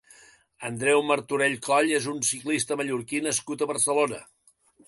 Andreu Martorell Coll és un ciclista mallorquí nascut a Barcelona.